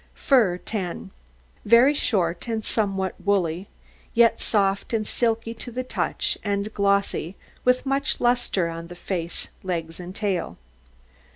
FUR 10 Very short, and somewhat woolly, yet soft and silky to the touch, and glossy, with much lustre on the face, legs, and tail.